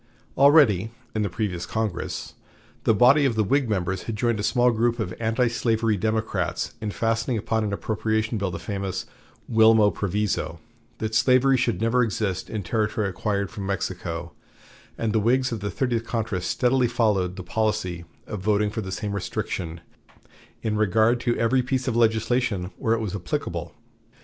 Already, in the previous Congress, the body of the Whig members had joined a small group of antislavery Democrats in fastening upon an appropriation bill the famous "Wilmot Proviso," that slavery should never exist in territory acquired from Mexico, and the Whigs of the Thirtieth Congress steadily followed the policy of voting for the same restriction in regard to every piece of legislation where it was applicable.